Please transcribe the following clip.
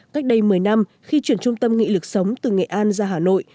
cách đây một mươi năm khi chuyển trung tâm nghị lực sống từ nghệ an ra hà nội